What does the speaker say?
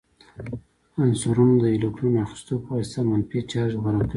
عنصرونه د الکترون اخیستلو په واسطه منفي چارج غوره کوي.